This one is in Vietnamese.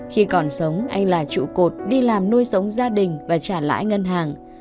khi còn sống anh là trụ cột đi làm nuôi sống gia đình và trả lãi ngân hàng